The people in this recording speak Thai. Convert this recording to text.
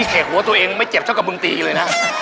แขกหัวตัวเองไม่เจ็บเท่ากับมึงตีอีกเลยนะ